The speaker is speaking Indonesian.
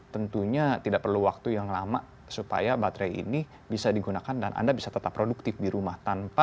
tentunya tidak perlu waktu yang lama supaya baterai ini bisa digunakan dan anda bisa tetap produktif di rumah